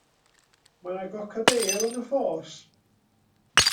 Mae 'na grocodeil yn y ffos.